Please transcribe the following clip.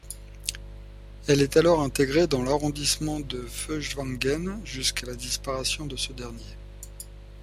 Elle est alors intégrée dans l'arrondissement de Feuchtwangen jusqu'à la disparition de ce dernier.